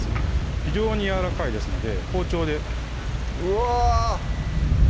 非常にやわらかいですので包丁でうわ！